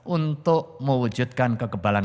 untuk mewujudkan kekebalan